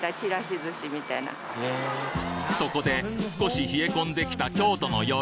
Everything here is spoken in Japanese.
そこで少し冷え込んできた京都の夜